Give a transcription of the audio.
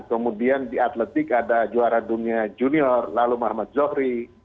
kemudian di atletik ada juara dunia junior lalu muhammad zohri